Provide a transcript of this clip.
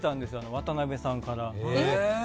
渡辺さんから。